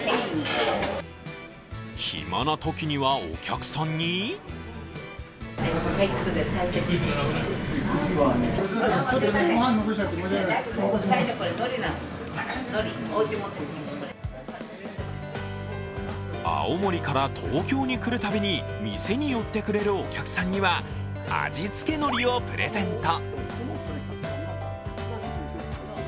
暇なときにはお客さんに青森から東京に来るたびに店によってくれるお客さんには味付けのりをプレゼント。